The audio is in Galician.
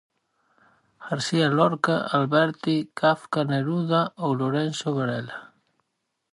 García Lorca, Alberti, Kafka, Neruda ou Lourenzo Varela.